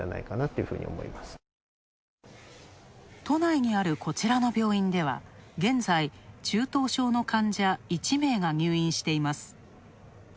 都内にあるこちらの病院では現在中等症の患者１名が入院しています。